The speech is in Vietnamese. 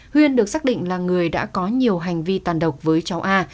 huyên được xác định là người đã có nhiều hành vi tàn độc với cháu a